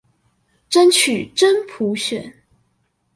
爭取真普選